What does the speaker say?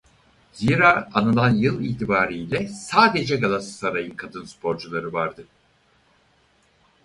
Zira anılan yıl itibarıyla sadece Galatasaray'ın kadın sporcuları vardı.